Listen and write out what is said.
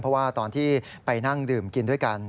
เพราะว่าตอนที่ไปนั่งดื่มกินด้วยกัน